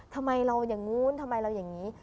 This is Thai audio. ทำไมเราอย่างนู้นทำไมเราอย่างนี้